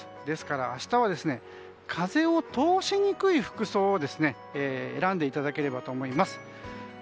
ですから明日は風を通しにくい服装を選んでいただければと思います。